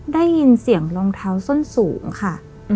ได้ยินเสียงรองเท้าส้นสูงค่ะ